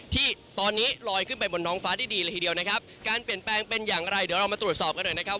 ที่ตอนนี้ลอยขึ้นไปบนท้องฟ้าได้ดีเลยทีเดียวนะครับการเปลี่ยนแปลงเป็นอย่างไรเดี๋ยวเรามาตรวจสอบกันหน่อยนะครับ